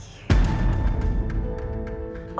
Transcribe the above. untuk nemuin ricky